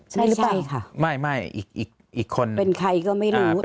ใช่หรือเปล่าไม่อีกคนเป็นใครก็ไม่รู้